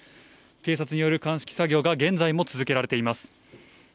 警察による鑑識作業が現在も続けられています。